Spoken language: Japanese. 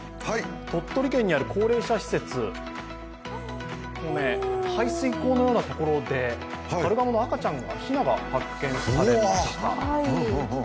鳥取県にある高齢者施設、排水溝のようなところでカルガモの赤ちゃん、ひなが発見されました。